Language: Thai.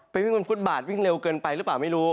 วิ่งบนฟุตบาทวิ่งเร็วเกินไปหรือเปล่าไม่รู้